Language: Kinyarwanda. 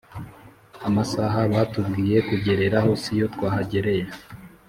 amasaha batubwiye kugereraho siyo twahagereye